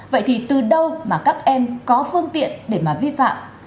vậy thì từ đâu mà các em có phương tiện để mà vi phạm